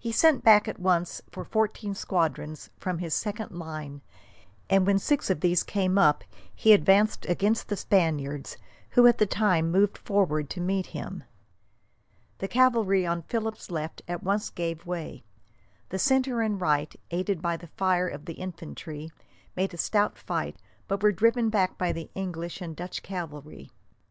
He sent back at once for fourteen squadrons from his second line, and when six of these came up he advanced against the Spaniards, who at the same time moved forward to meet him. The cavalry on Philip's left at once gave way. The centre and right, aided by the fire of the infantry, made a stout fight, but were driven back by the English and Dutch cavalry.